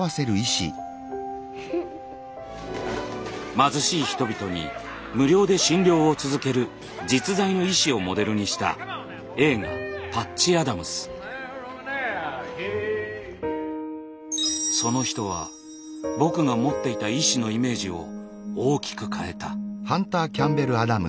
貧しい人々に無料で診療を続ける実在の医師をモデルにしたその人は僕が持っていた医師のイメージを大きく変えた。